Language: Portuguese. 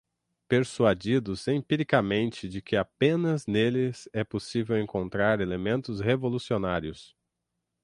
persuadidos empiricamente de que apenas neles é possível encontrar elementos revolucionários